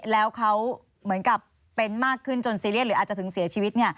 แล้วเขาเหมือนกับเป็นมากขึ้นจนซีเรียสหรืออาจจะถึงเสียชีวิต